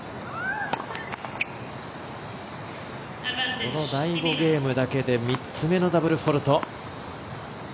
この第５ゲームだけで３つ目のダブルフォールト。